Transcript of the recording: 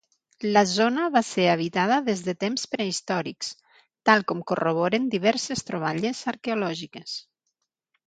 La zona va ser habitada des de temps prehistòrics, tal com corroboren diverses troballes arqueològiques.